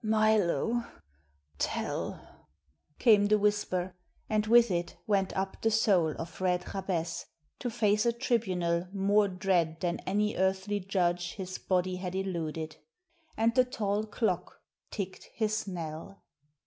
"Milo tell," came the whisper, and with it went up the soul of Red Jabez to face a tribunal more dread than any earthly judge his body had eluded. And the tall clock ticked his knell.